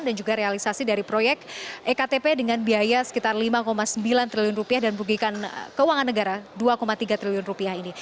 dan juga realisasi dari proyek ektp dengan biaya sekitar lima sembilan triliun rupiah dan perugikan keuangan negara dua tiga triliun rupiah ini